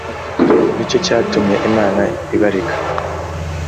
ni cyo cyatumye imana ibareka